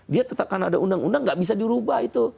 dia tetap karena ada undang undang nggak bisa dirubah itu